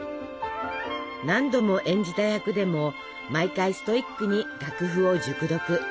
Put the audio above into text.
何度も演じた役でも毎回ストイックに楽譜を熟読。